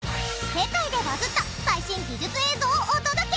世界でバズった最新技術映像をお届け！